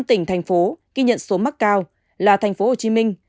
sáu tỉnh thành phố ghi nhận số mắc cao là thành phố hồ chí minh